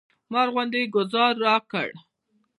مار غوندې یې ګوزار راکړ.